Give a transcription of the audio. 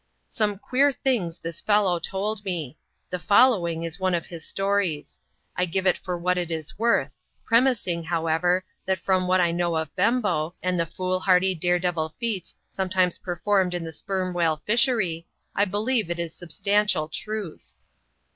Some queer things this fellow told me. The following is one of his stories. I give it for what it is worth ; premising, however, that from what I know of Bembo, and the f6ol« r 4 72 ADVENTURES IN THE SOUTH SEAS. [chap. xix. hardj, dare devil feats sometimes performed in the sperm whale fishery, I believe in its substantial truth.